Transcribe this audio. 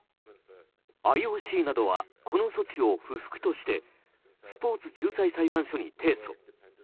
ＩＯＣなどはこの措置を不服としてスポーツ仲裁裁判所に提訴。